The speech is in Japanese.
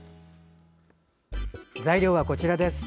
材料はこちらです。